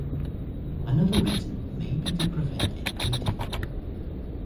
Another reason may be to prevent inbreeding.